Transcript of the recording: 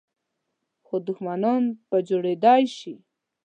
خو دښمنان په جوړېدای شي .